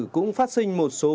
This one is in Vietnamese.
cũng phát sinh một số vấn đề